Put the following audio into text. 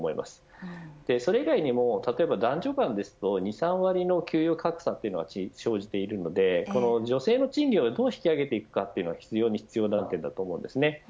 それ以外にも例えば男女間ですと２、３割の給与格差が生じているので女性の賃金をどう引き上げていくかは必要な観点だと思います。